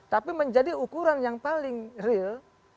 tapi menjadi ukuran yang paling real